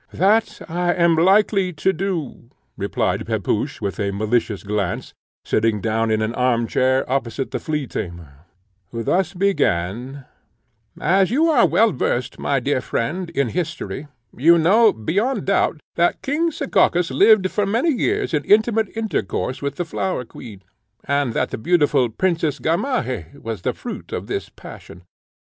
"That I am likely to do," replied Pepusch with a malicious glance, sitting down in an armchair, opposite the flea tamer, who thus began: "As you are well versed, my dear friend, in history, you know, beyond doubt, that King Sekakis lived for many years in intimate intercourse with the Flower Queen, and that the beautiful Princess Gamaheh was the fruit of this passion.